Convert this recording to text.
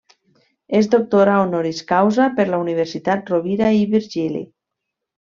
És doctora honoris causa per la Universitat Rovira i Virgili.